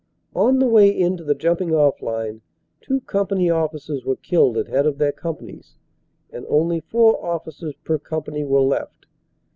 On the way in to the jumping off line two company officers were killed at head of their companies, and only four officers per company were left.